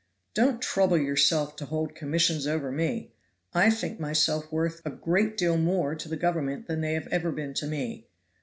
"Don't trouble yourself to hold commissions over me. I think myself worth a great deal more to the government than they have ever been to me.